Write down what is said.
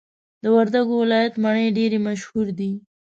د وردګو ولایت مڼي ډیري مشهور دي.